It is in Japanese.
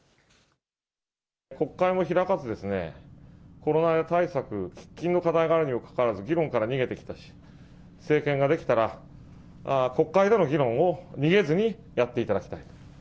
国会も開かず、コロナ対策、喫緊の課題があるにもかかわらず議論から逃げてきたし、政権が出来たら、国会での議論を逃げずにやっていただきたい。